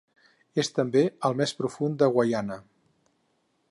És també el més profund de Guaiana.